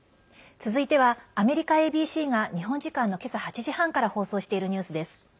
続いては、アメリカＡＢＣが日本時間の今朝８時半から放送しているニュースです。